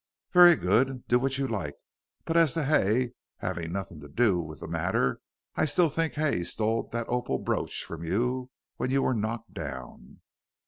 "Very good. Do what you like. But as to Hay, having nothing to do with the matter, I still think Hay stole that opal brooch from you when you were knocked down."